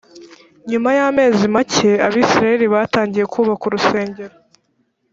nyuma y amezi make abisirayeli batangiye kubaka urusengero